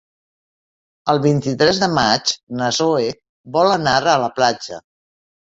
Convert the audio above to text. El vint-i-tres de maig na Zoè vol anar a la platja.